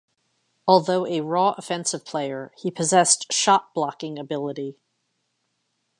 Although a raw offensive player, he possessed shot-blocking ability.